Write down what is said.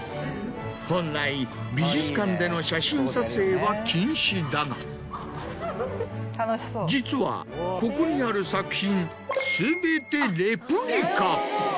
本来美術館での写真撮影は禁止だが実はここにある作品。